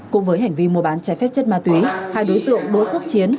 cũng với hành vi mua bán trái phép chất ma túy hai đối tượng đỗ quốc chiến